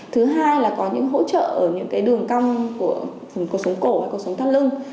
thứ hai là có những hỗ trợ ở những cái đường cong của cuộc sống cổ hay cuộc sống tham lưng